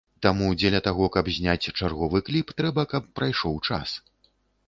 Таму дзеля таго, каб зняць чарговы кліп, трэба, каб прайшоў час.